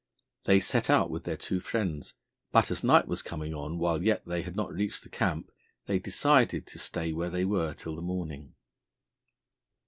They set out with their two friends, but as night was coming on while yet they had not reached the camp, they decided to stay where they were till the morning.